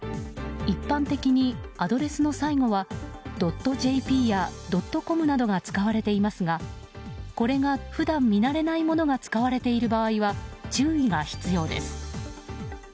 一般的にアドレスの最後は．ｊｐや．ｃｏｍなどが使われていますがこれが普段、見慣れないものが使われている場合は注意が必要です。